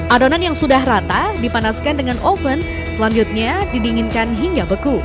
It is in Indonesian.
adonan yang sudah rata dipanaskan dengan oven selanjutnya didinginkan hingga beku